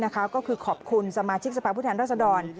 ก็คือขอบคุณสมาชิกสภาพผู้แทนรัศดร